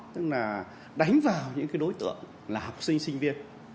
tức là đánh vào những đối tượng là học sinh sinh viên